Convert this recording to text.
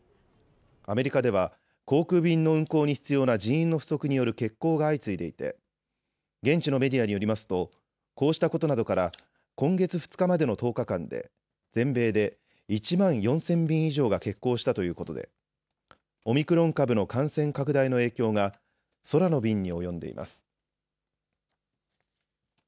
アメリカでは航空便の運航に必要な人員の不足による欠航が相次いでいて現地のメディアによりますとこうしたことなどから今月２日までの１０日間で全米で１万４０００便以上が欠航したということでオミクロン株の感染拡大の影響が空の便に及んでいます。